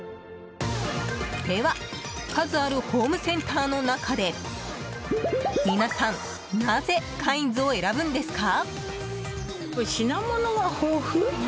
では、数あるホームセンターの中で皆さんなぜカインズを選ぶんですか？